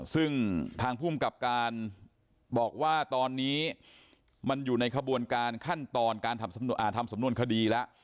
ซึ่งทางภูมิกับการบอกว่าตอนนี้มันอยู่ในขบวนการขั้นตอนการทำสำนวนคดีแล้ว